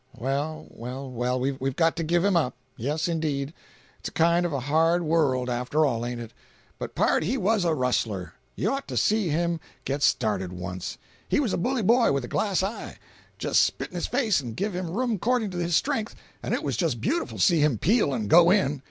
Well, well, well, we've got to give him up. Yes indeed. It's a kind of a hard world, after all, ain't it? But pard, he was a rustler! You ought to seen him get started once. He was a bully boy with a glass eye! Just spit in his face and give him room according to his strength, and it was just beautiful to see him peel and go in.